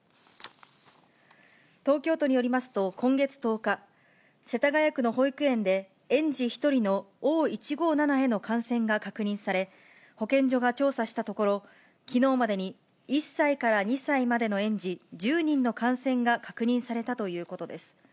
東京都によりますと今月１０日、世田谷区の保育園で、園児１人のＯ１５７への感染が確認され、保健所が調査したところ、きのうまでに１歳から２歳までの園児１０人の感染が確認されたということです。